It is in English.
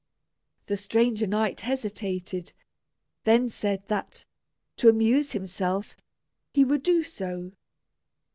The stranger knight hesitated, then said that, to amuse himself, he would do so.